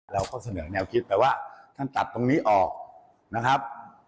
เราก็เสนอแนวคิดไปว่าท่านตัดตรงนี้ออกนะครับ